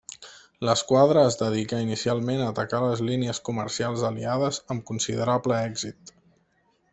L'esquadra es dedicà inicialment a atacar les línies comercials aliades amb considerable èxit.